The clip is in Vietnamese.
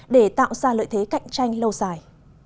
để tạo ra lợi thế cạnh tranh lâu dài